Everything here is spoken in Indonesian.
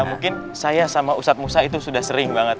mungkin saya sama ustadz musa itu sudah sering banget